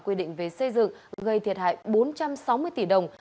quy định về xây dựng gây thiệt hại bốn trăm sáu mươi tỷ đồng